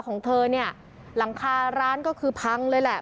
ของเธอเนี่ยหลังคาร้านก็คือพังเลยแหละ